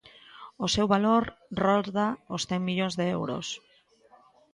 O seu valor rolda os cen millóns de euros.